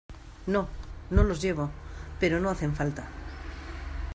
no, no los llevo , pero no hacen falta.